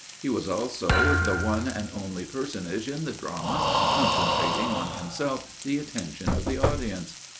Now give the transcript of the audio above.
He was also the one and only personage in the drama, concentrating on himself the attention of the audience.